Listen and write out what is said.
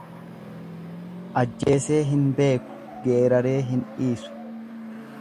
Ajjeesee hin beeku geeraree hin dhiisu.